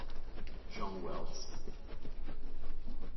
John Wells